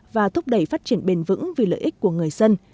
và thúc đẩy phát triển bền vững vì lợi ích của người dân